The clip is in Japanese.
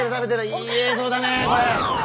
いい映像だねこれ。